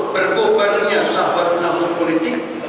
berkuburannya sahabat nafsu politik